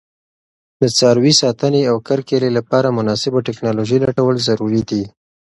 د څاروي ساتنې او کرکیلې لپاره مناسبه تکنالوژي لټول ضروري دي.